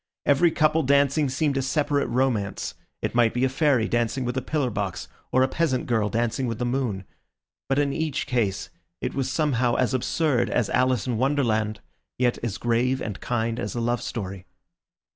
Every couple dancing seemed a separate romance; it might be a fairy dancing with a pillar box, or a peasant girl dancing with the moon; but in each case it was, somehow, as absurd as Alice in Wonderland, yet as grave and kind as a love story.